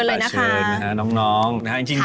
ลูกขาดแม่